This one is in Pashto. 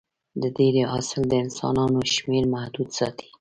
د درې حاصل د انسانانو شمېر محدود ساتي.